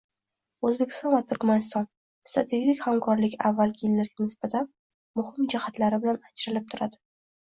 O‘zbekiston va Turkmaniston: strategik hamkorlik avvalgi yillarga nisbatan muhim jihatlari bilan ajralib turadi